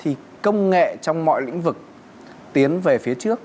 thì công nghệ trong mọi lĩnh vực tiến về phía trước